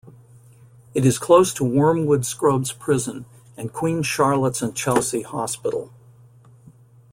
It is close to Wormwood Scrubs prison and Queen Charlotte's and Chelsea Hospital.